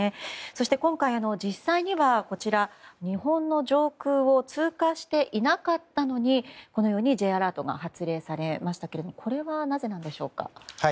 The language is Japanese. そして、今回実際には日本の上空を通過していなかったのにＪアラートが発令されましたがこれは、なぜなんでしょうか。